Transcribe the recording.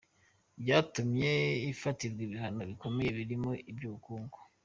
Byatumye ifatirwa ibihano bikomeye birimo iby’ubukungu.